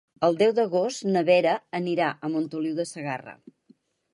El deu d'agost na Vera anirà a Montoliu de Segarra.